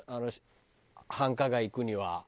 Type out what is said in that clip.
繁華街行くには。